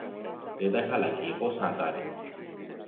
დედაქალაქი იყო სანტარენი.